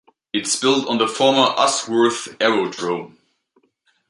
It's built on the former Usworth Aerodrome.